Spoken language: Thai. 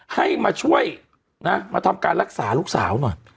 ให้มาช่วยนะมาทำการรักษาลูกสาวหน่อย